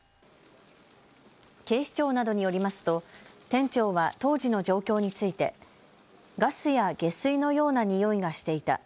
警視庁などによりますと店長は当時の状況についてガスや下水のようなにおいがしていた。